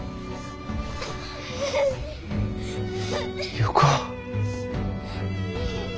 優子。